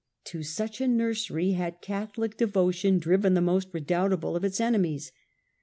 To such a nursery had Catholic devotion driven the most redoubtable of its enemies.